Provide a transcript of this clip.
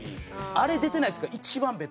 あれ出てないですか？